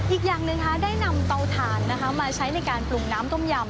อีกอย่างหนึ่งได้นำเตาถ่านมาใช้ในการปรุงน้ำต้มยำ